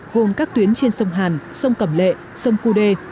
gồm các tuyến trên sông hàn sông cẩm lệ sông cú đê